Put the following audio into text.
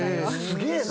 すげえな。